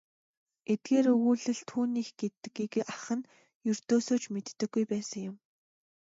Эдгээр өгүүлэл түүнийх гэдгийг ах нь ердөөсөө ч мэддэггүй байсан юм.